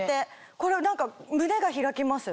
これは何か胸が開きます。